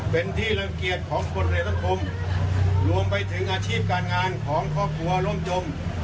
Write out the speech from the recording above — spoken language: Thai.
เป็นที่รังเกียจของคนในสังคมรวมไปถึงอาชีพการงานของครอบครัวร่มจม